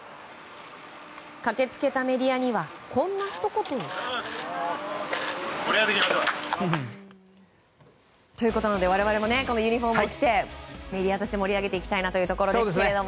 駆け付けたメディアにはこんなひと言を。ということで我々もユニホームを着てメディアとして盛り上げていきたいところですけど。